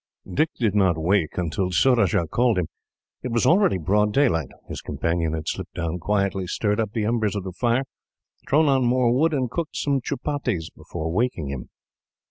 Dick did not wake until Surajah called him. It was already broad daylight. His companion had slipped down quietly, stirred up the embers of the fire, thrown on more wood, and cooked some chupatties before waking him.